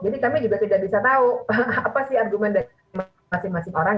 kami juga tidak bisa tahu apa sih argumen dari masing masing orang